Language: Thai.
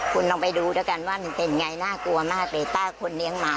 คุณลองไปดูด้วยกันว่ามันเป็นไงน่ากลัวมากเลยป้าคนเลี้ยงหมา